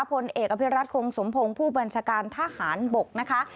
พลเอกอภิรัตคงสมพงศ์ผู้บัญชาการทหารบกนะคะ